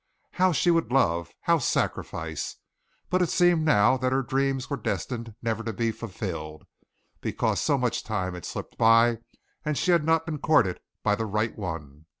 How she would love, how sacrifice! But it seemed now that her dreams were destined never to be fulfilled, because so much time had slipped by and she had not been courted by the right one.